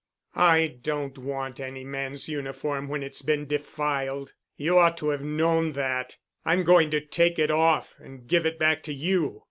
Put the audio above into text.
"I don't want any man's uniform when it's been defiled. You ought to have known that. I'm going to take it off and give it back to you."